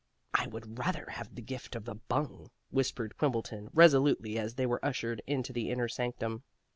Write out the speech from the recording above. "I would rather have the gift of the bung," whispered Quimbleton resolutely as they were ushered into the inner sanctum.